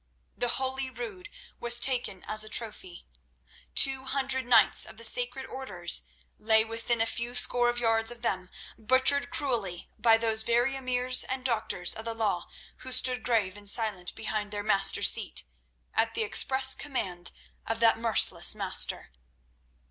The holy Rood was taken as a trophy. Two hundred knights of the sacred Orders lay within a few score of yards of them, butchered cruelly by those very emirs and doctors of the law who stood grave and silent behind their master's seat, at the express command of that merciless master.